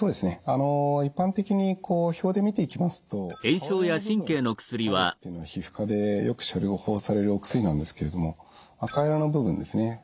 あの一般的にこう表で見ていきますと青色の部分までっていうのは皮膚科でよく処方されるお薬なんですけれども赤色の部分ですね